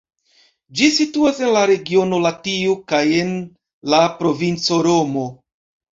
Ĝi situas en la regiono Latio kaj en la provinco Romo.